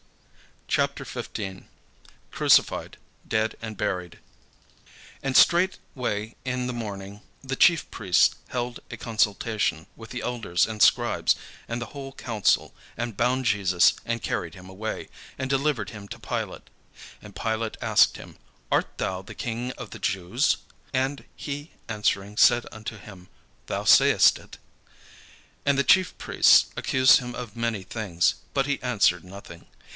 CHAPTER XV CRUCIFIED, DEAD AND BURIED And straightway in the morning the chief priests held a consultation with the elders and scribes and the whole council, and bound Jesus, and carried him away, and delivered him to Pilate. And Pilate asked him, "Art thou the King of the Jews?" And he answering said unto him, "Thou sayest it." And the chief priests accused him of many things: but he answered nothing.